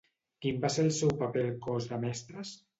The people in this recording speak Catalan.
Quin va ser el seu paper al cos de mestres?